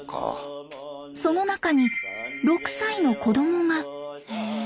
その中に６歳の子どもが。